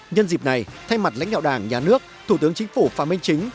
nhân dịp này thay mặt lãnh đạo đảng nhà nước thủ tướng chính phủ phạm minh chính